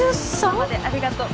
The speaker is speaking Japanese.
今までありがとう